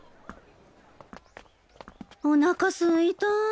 おなかすいた。